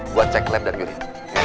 buat cek lab dan yoris